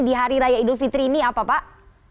di hari raya idul fitri ini apa pak